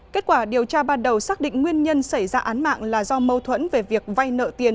kết quả điều tra ban đầu xác định nguyên nhân xảy ra án mạng là do mâu thuẫn về việc vay nợ tiền